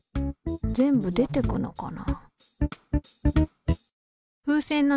全部出てくのかな